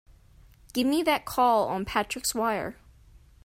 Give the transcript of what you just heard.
Give me that call on Patrick's wire!